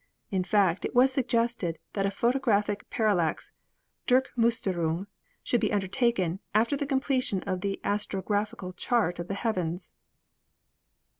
In fact, it was suggested that a photographic parallax "Durchmus terung" should be undertaken after the completion of the astrographical chart of the heavens.